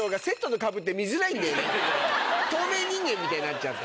透明人間みたいになっちゃって。